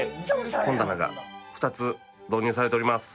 本棚が２つ導入されております。